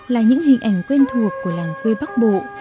là những hình ảnh quen thuộc của làng quê bắc bộ